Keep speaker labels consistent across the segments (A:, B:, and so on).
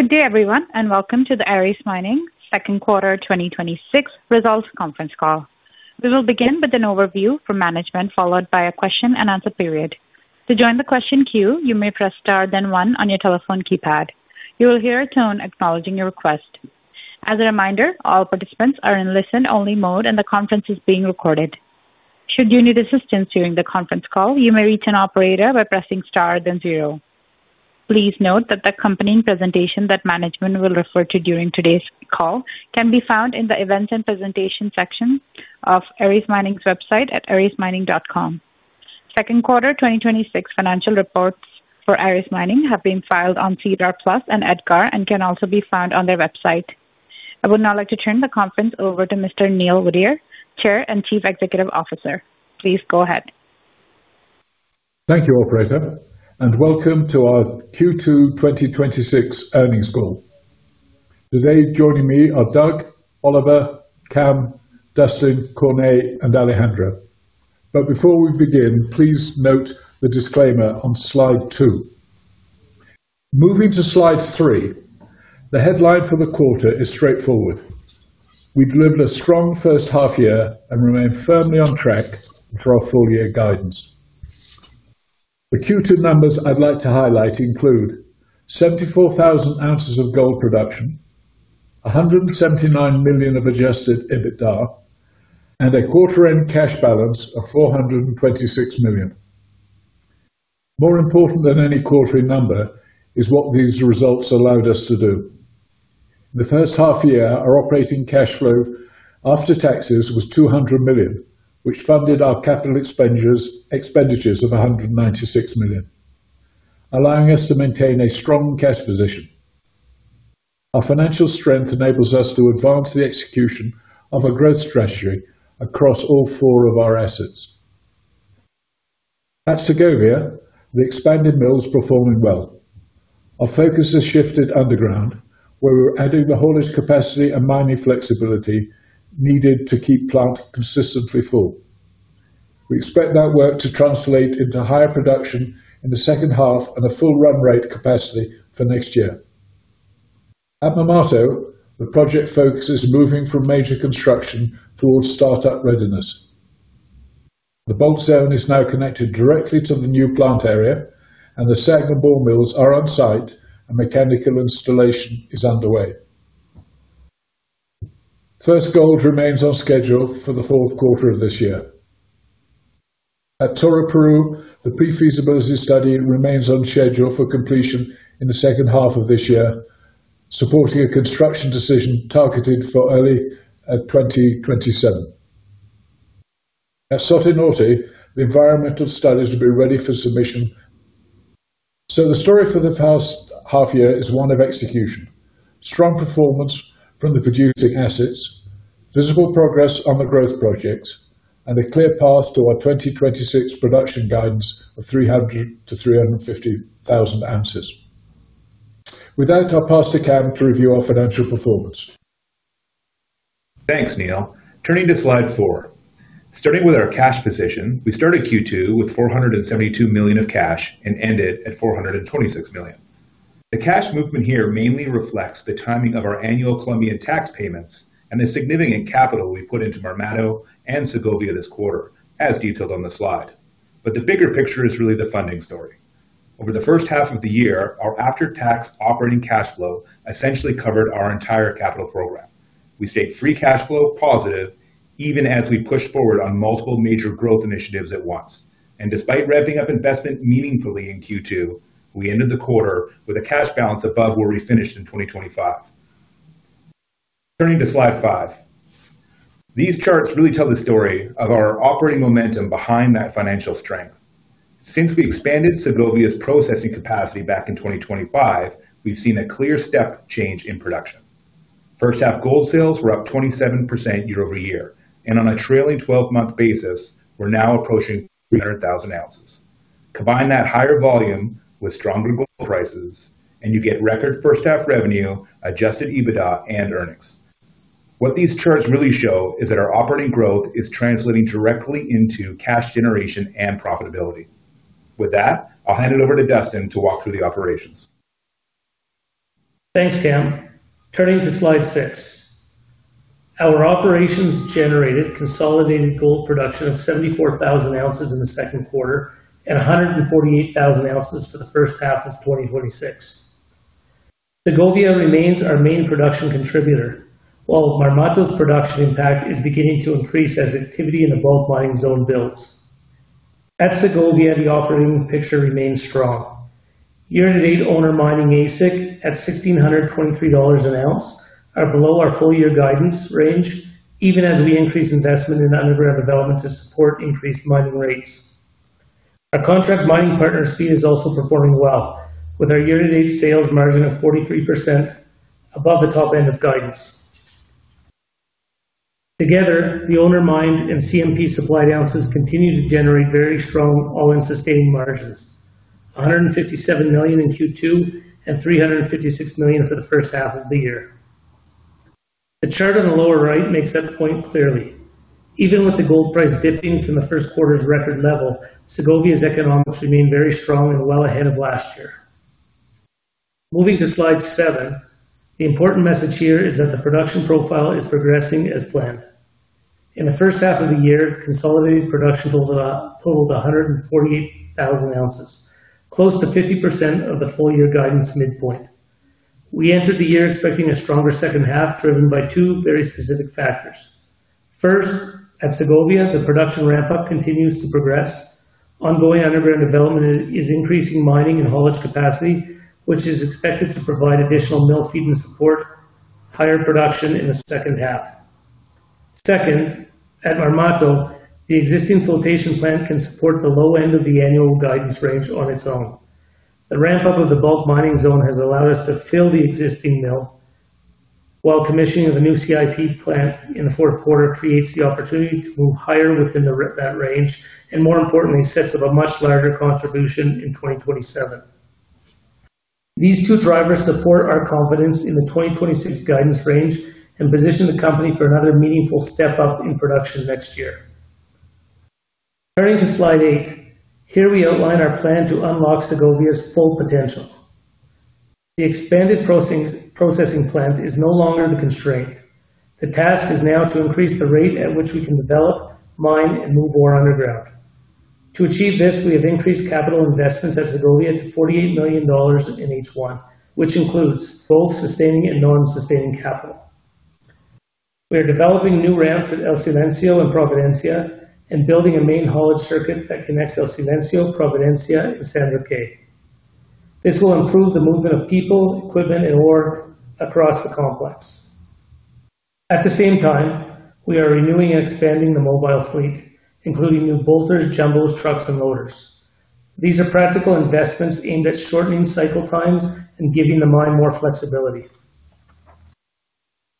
A: Good day, everyone, welcome to the Aris Mining second quarter 2026 results conference call. We will begin with an overview from management, followed by a question and answer period. To join the question queue, you may press star then one on your telephone keypad. You will hear a tone acknowledging your request. As a reminder, all participants are in listen-only mode and the conference is being recorded. Should you need assistance during the conference call, you may reach an operator by pressing star then zero. Please note that the accompanying presentation that management will refer to during today's call can be found in the events and presentation section of arismining.com. Second quarter 2026 financial reports for Aris Mining have been filed on SEDAR+ and EDGAR and can also be found on their website. I would now like to turn the conference over to Mr. Neil Woodyer, Chair and Chief Executive Officer. Please go ahead.
B: Thank you, operator, welcome to our Q2 2026 earnings call. Today joining me are Doug, Oliver, Cam, Dustin, Corné, and Alejandro. Before we begin, please note the disclaimer on slide two. Moving to slide three. The headline for the quarter is straightforward. We've delivered a strong first half year and remain firmly on track for our full year guidance. The Q2 numbers I'd like to highlight include 74,000 ounces of gold production, $179 million of adjusted EBITDA, and a quarter end cash balance of $426 million. More important than any quarterly number is what these results allowed us to do. The first half year, our operating cash flow after taxes was $200 million, which funded our capital expenditures of $196 million, allowing us to maintain a strong cash position. Our financial strength enables us to advance the execution of a growth treasury across all four of our assets. At Segovia, the expanded mill is performing well. Our focus has shifted underground, where we're adding the haulage capacity and mining flexibility needed to keep plant consistently full. We expect that work to translate into higher production in the second half and a full run rate capacity for next year. At Marmato, the project focus is moving from major construction towards startup readiness. The Bulk zone is now connected directly to the new plant area, and the second ball mills are on site and mechanical installation is underway. First gold remains on schedule for the fourth quarter of this year. At Toroparu, the pre-feasibility study remains on schedule for completion in the second half of this year, supporting a construction decision targeted for early 2027. At Soto Norte, the environmental studies will be ready for submission. The story for the past half year is one of execution. Strong performance from the producing assets, visible progress on the growth projects, and a clear path to our 2026 production guidance of 300,000 to 350,000 ounces. With that, I'll pass to Cam to review our financial performance.
C: Thanks, Neil. Turning to slide four. Starting with our cash position. We started Q2 with $472 million of cash and ended at $426 million. The cash movement here mainly reflects the timing of our annual Colombian tax payments and the significant capital we put into Marmato and Segovia this quarter, as detailed on the slide. The bigger picture is really the funding story. Over the first half of the year, our after-tax operating cash flow essentially covered our entire capital program. We stayed free cash flow positive even as we pushed forward on multiple major growth initiatives at once. Despite revving up investment meaningfully in Q2, we ended the quarter with a cash balance above where we finished in 2025. Turning to slide five. These charts really tell the story of our operating momentum behind that financial strength. Since we expanded Segovia's processing capacity back in 2025, we've seen a clear step change in production. First half gold sales were up 27% year-over-year, and on a trailing 12-month basis, we're now approaching 300,000 ounces. Combine that higher volume with stronger gold prices, and you get record first half revenue, adjusted EBITDA and earnings. What these charts really show is that our operating growth is translating directly into cash generation and profitability. With that, I'll hand it over to Dustin to walk through the operations.
D: Thanks, Cam. Turning to slide six. Our operations generated consolidated gold production of 74,000 ounces in the second quarter and 148,000 ounces for the first half of 2026. Segovia remains our main production contributor, while Marmato's production impact is beginning to increase as activity in the Bulk Mining Zone builds. At Segovia, the operating picture remains strong. Year-to-date owner mining AISC at $1,623 an ounce are below our full year guidance range, even as we increase investment in underground development to support increased mining rates. Our contract mining partner CMPs is also performing well, with our year-to-date sales margin of 43% above the top end of guidance. Together, the owner mined and CMP supplied ounces continue to generate very strong all-in sustaining margins. A hundred and fifty-seven million in Q2 and $356 million for the first half of the year. The chart on the lower right makes that point clearly. Even with the gold price dipping from the first quarter's record level, Segovia's economics remain very strong and well ahead of last year. Moving to slide seven. The important message here is that the production profile is progressing as planned. In the first half of the year, consolidated production totaled 148,000 ounces, close to 50% of the full year guidance midpoint. We entered the year expecting a stronger second half, driven by two very specific factors. First, at Segovia, the production ramp-up continues to progress. Ongoing underground development is increasing mining and haulage capacity, which is expected to provide additional mill feed and support higher production in the second half. Second, at Marmato, the existing flotation plant can support the low end of the annual guidance range on its own. The ramp-up of the Bulk Mining Zone has allowed us to fill the existing mill, while commissioning of the new CIP plant in the fourth quarter creates the opportunity to move higher within that range, and more importantly, sets up a much larger contribution in 2027. These two drivers support our confidence in the 2026 guidance range and position the company for another meaningful step-up in production next year. Turning to slide eight. Here we outline our plan to unlock Segovia's full potential. The expanded processing plant is no longer the constraint. The task is now to increase the rate at which we can develop, mine, and move ore underground. To achieve this, we have increased capital investments at Segovia to $48 million in H1, which includes both sustaining and non-sustaining capital. We are developing new ramps at El Silencio and Providencia and building a main haulage circuit that connects El Silencio, Providencia, and San Roque. This will improve the movement of people, equipment, and ore across the complex. At the same time, we are renewing and expanding the mobile fleet, including new bolters, jumbos, trucks, and loaders. These are practical investments aimed at shortening cycle times and giving the mine more flexibility.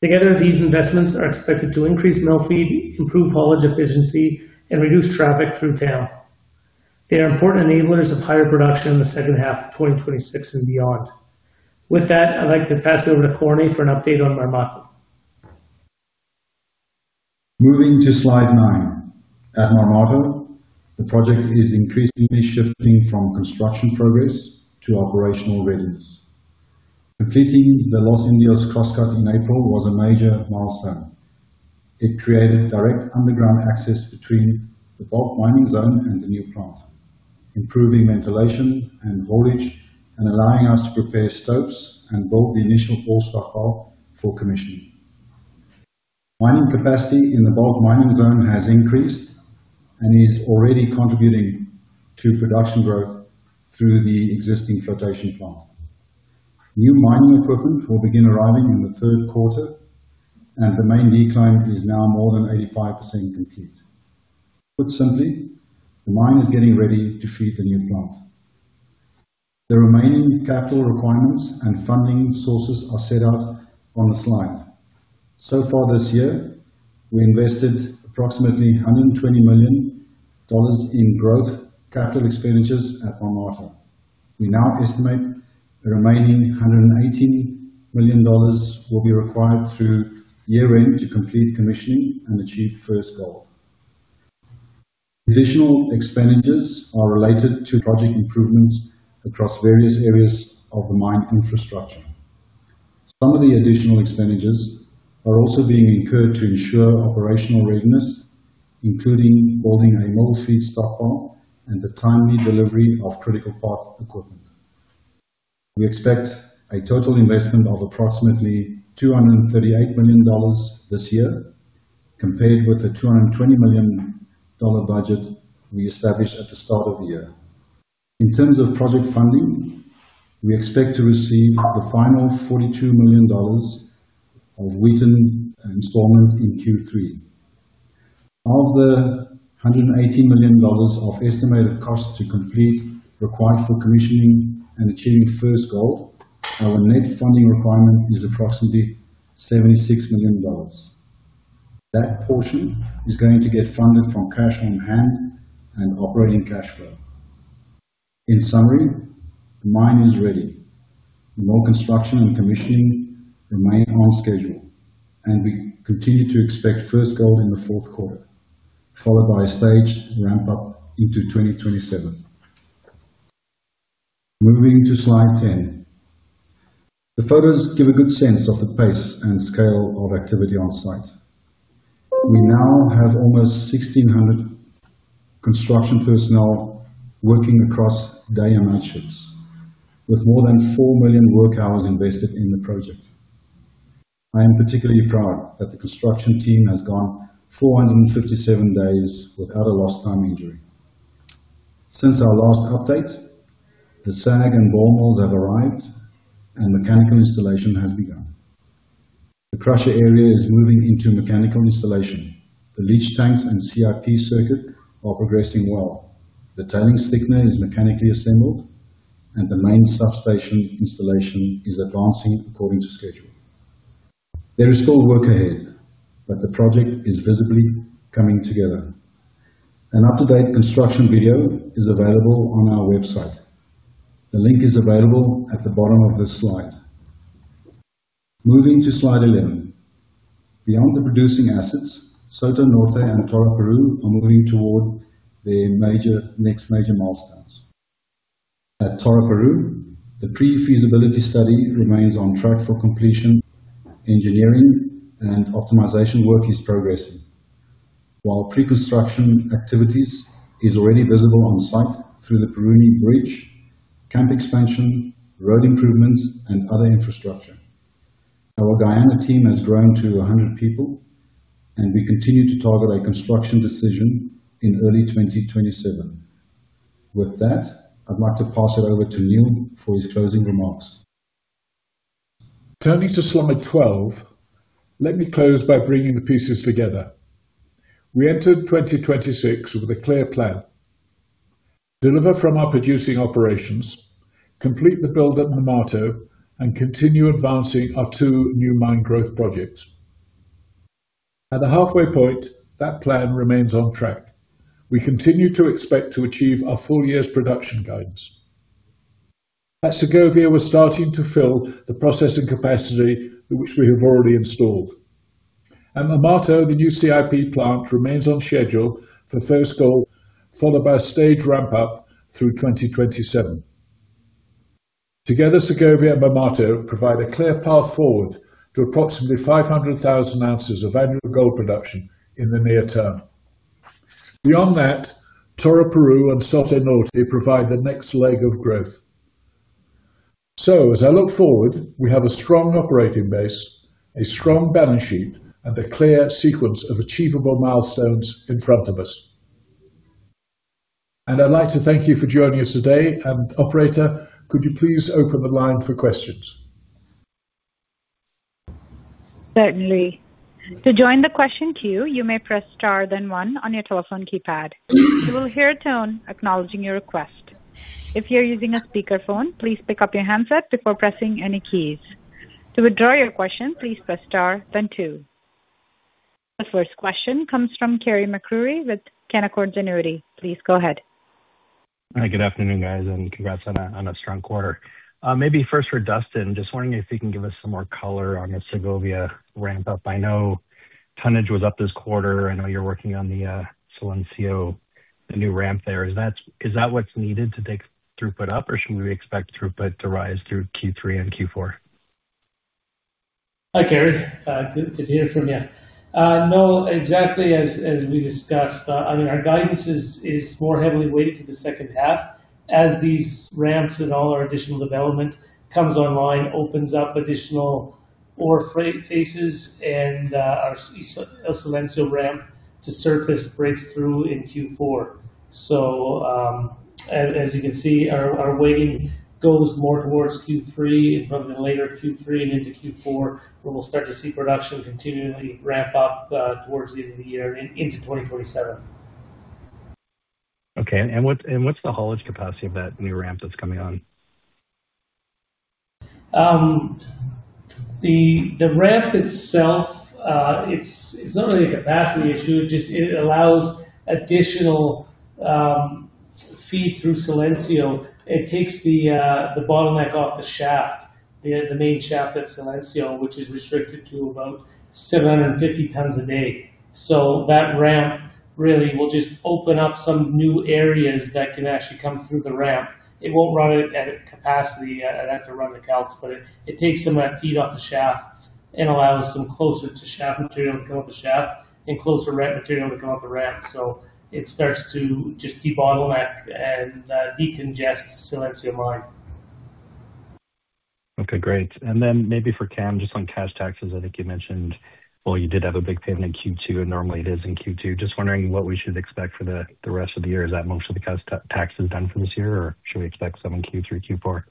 D: Together, these investments are expected to increase mill feed, improve haulage efficiency, and reduce traffic through town. They are important enablers of higher production in the second half of 2026 and beyond. With that, I'd like to pass it over to Corné for an update on Marmato.
E: Moving to slide nine. At Marmato, the project is increasingly shifting from construction progress to operational readiness. Completing the Los Indios cross-cut in April was a major milestone. It created direct underground access between the Bulk Mining Zone and the new plant, improving ventilation and haulage, and allowing us to prepare stopes and build the initial ore stock pile for commissioning. Mining capacity in the Bulk Mining Zone has increased and is already contributing to production growth through the existing flotation plant. New mining equipment will begin arriving in the third quarter, and the main decline is now more than 85% complete. Put simply, the mine is getting ready to feed the new plant. The remaining capital requirements and funding sources are set out on the slide. So far this year, we invested approximately $120 million in growth capital expenditures at Marmato. We now estimate the remaining $118 million will be required through year-end to complete commissioning and achieve first gold. Additional expenditures are related to project improvements across various areas of the mine infrastructure. Some of the additional expenditures are also being incurred to ensure operational readiness, including building a mill feed stock pile and the timely delivery of critical path equipment. We expect a total investment of approximately $238 million this year, compared with the $220 million budget we established at the start of the year. In terms of project funding, we expect to receive the final $42 million of Wheaton installment in Q3. Of the $118 million of estimated cost to complete required for commissioning and achieving first gold, our net funding requirement is approximately $76 million. That portion is going to get funded from cash on hand and operating cash flow. In summary, the mine is ready. Mill construction and commissioning remain on schedule. We continue to expect first gold in the fourth quarter, followed by a staged ramp-up into 2027. Moving to slide 10. The photos give a good sense of the pace and scale of activity on site. We now have almost 1,600 construction personnel working across day and night shifts, with more than 4 million work hours invested in the project. I am particularly proud that the construction team has gone 457 days without a lost time injury. Since our last update, the SAG and ball mills have arrived and mechanical installation has begun. The crusher area is moving into mechanical installation. The leach tanks and CIP circuit are progressing well. The tailings thickener is mechanically assembled. The main substation installation is advancing according to schedule. There is still work ahead. The project is visibly coming together. An up-to-date construction video is available on our website.
D: The link is available at the bottom of this slide. Moving to slide 11. Beyond the producing assets, Soto Norte and Toroparu are moving toward their next major milestones. At Toroparu, the pre-feasibility study remains on track for completion. Engineering and optimization work is progressing, while pre-construction activities is already visible on site through the Pereni bridge, camp expansion, road improvements, other infrastructure. Our Guyana team has grown to 100 people. We continue to target a construction decision in early 2027. With that, I'd like to pass it over to Neil for his closing remarks.
B: Turning to slide 12. Let me close by bringing the pieces together. We entered 2026 with a clear plan: deliver from our producing operations, complete the build at Marmato, and continue advancing our two new mine growth projects. At the halfway point, that plan remains on track. We continue to expect to achieve our full year's production guidance. At Segovia, we're starting to fill the processing capacity which we have already installed. At Marmato, the new CIP plant remains on schedule for first gold, followed by a staged ramp-up through 2027. Together, Segovia and Marmato provide a clear path forward to approximately 500,000 ounces of annual gold production in the near term. Beyond that, Toroparu and Soto Norte provide the next leg of growth. As I look forward, we have a strong operating base, a strong balance sheet, and a clear sequence of achievable milestones in front of us. I'd like to thank you for joining us today, operator, could you please open the line for questions?
A: Certainly. To join the question queue, you may press star then one on your telephone keypad. You will hear a tone acknowledging your request. If you're using a speakerphone, please pick up your handset before pressing any keys. To withdraw your question, please press star then two. The first question comes from Carey MacRury with Canaccord Genuity. Please go ahead.
F: Hi, good afternoon, guys, congrats on a strong quarter. Maybe first for Dustin, just wondering if you can give us some more color on the Segovia ramp-up. I know tonnage was up this quarter. I know you're working on the Silencio, the new ramp there. Is that what's needed to take throughput up, or should we expect throughput to rise through Q3 and Q4?
D: Hi, Carey. Good to hear from you. Exactly as we discussed. Our guidance is more heavily weighted to the second half as these ramps and all our additional development comes online, opens up additional ore faces, and our Silencio ramp to surface breaks through in Q4. As you can see, our weighting goes more towards Q3 and probably later Q3 and into Q4, we will start to see production continuingly ramp up towards the year and into 2027.
F: What's the haulage capacity of that new ramp that's coming on?
D: The ramp itself, it's not really a capacity issue. It allows additional feed through Silencio. It takes the bottleneck off the main shaft at Silencio, which is restricted to about 750 tons a day. That ramp really will just open up some new areas that can actually come through the ramp. It won't run it at capacity. I'd have to run the calcs, it takes some of that feed off the shaft and allows some closer to shaft material to come up the shaft and closer ramp material to come up the ramp. It starts to just de-bottleneck and decongest Silencio mine.
F: Maybe for Cam, just on cash taxes, I think you mentioned, you did have a big payment in Q2, normally it is in Q2. Just wondering what we should expect for the rest of the year. Is that most of the cash taxes done for this year, or should we expect some in Q3, Q4?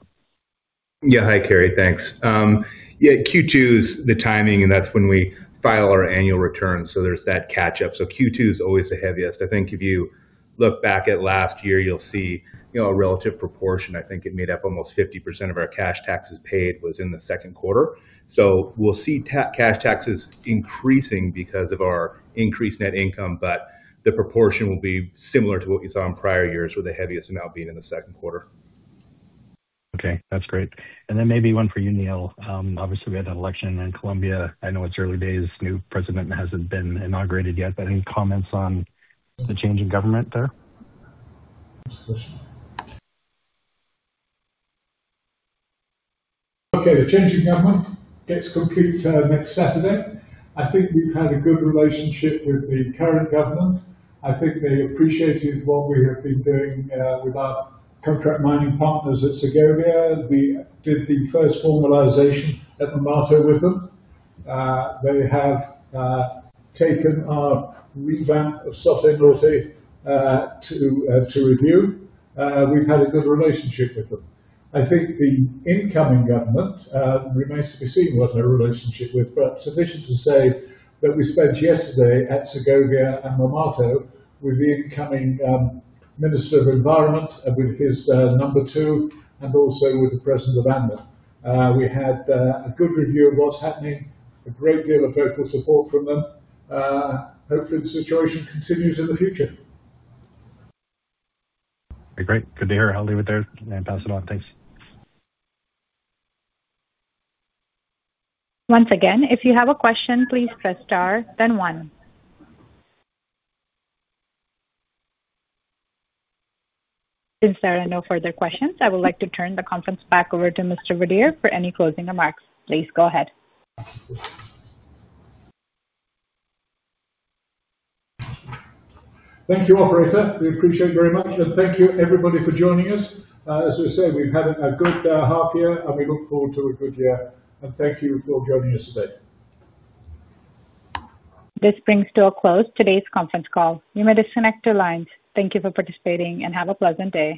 C: Hi, Carey. Thanks. Q2 is the timing, and that's when we file our annual returns, there's that catch up. Q2 is always the heaviest. I think if you look back at last year, you'll see a relative proportion. I think it made up almost 50% of our cash taxes paid was in the second quarter. We'll see cash taxes increasing because of our increased net income, but the proportion will be similar to what you saw in prior years, with the heaviest amount being in the second quarter.
F: Okay, that's great. Maybe one for you, Neil. Obviously, we had an election in Colombia. I know it's early days. New president hasn't been inaugurated yet. Any comments on the change in government there?
B: Okay. The change in government gets complete next Saturday. I think we've had a good relationship with the current government. I think they appreciated what we have been doing with our Contract Mining Partners at Segovia. We did the first formalization at Marmato with them. They have taken our revamp of Soto Norte to review. We've had a good relationship with them. I think the incoming government remains to be seen what their relationship with. Sufficient to say that we spent yesterday at Segovia and Marmato with the incoming minister of environment, with his number 2, and also with the president of ANLA. We had a good review of what's happening, a great deal of vocal support from them. Hopefully, the situation continues in the future.
F: Great. Good to hear. I'll leave it there and pass it on. Thanks.
A: Once again, if you have a question, please press star then one. Since there are no further questions, I would like to turn the conference back over to Mr. Woodyer for any closing remarks. Please go ahead.
B: Thank you, operator. We appreciate it very much. Thank you, everybody, for joining us. As I say, we've had a good half year. We look forward to a good year. Thank you for joining us today.
A: This brings to a close today's conference call. You may disconnect your lines. Thank you for participating, and have a pleasant day.